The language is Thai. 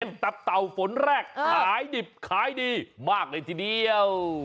เป็นตับเต่าฝนแรกขายดิบขายดีมากเลยทีเดียว